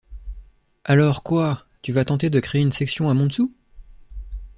Alors, quoi? tu vas tenter de créer une section à Montsou ?